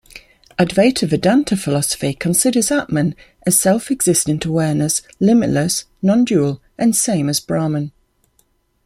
Advaita Vedanta philosophy considers Atman as self-existent awareness, limitless, non-dual and same as Brahman.